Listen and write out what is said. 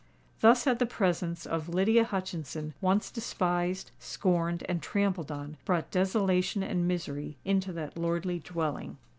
Thus had the presence of Lydia Hutchinson,—once despised, scorned, and trampled on,—brought desolation and misery into that lordly dwelling.